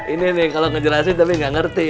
ini nih kalau ngejelasin tapi nggak ngerti